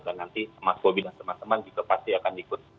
dan nanti mas bobi dan teman teman juga pasti akan ikut